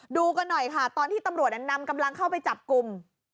ดูกันหน่อยค่ะตอนที่ตำรวจนำกำลังเข้าไปจับกลุ่ม